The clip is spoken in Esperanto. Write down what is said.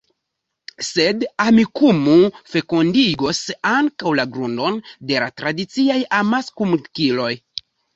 Sed Amikumu fekundigos ankaŭ la grundon de la tradiciaj amaskomunikiloj.